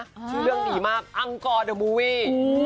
ชื่อเรื่องดีมากอังกรเดอร์บูวี่